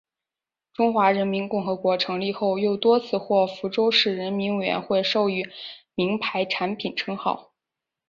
中华人民共和国成立后又多次获福州市人民委员会授予名牌产品称号。